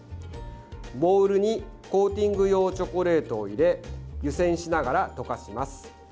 ボウルにコーティング用チョコレートを入れ湯煎しながら溶かします。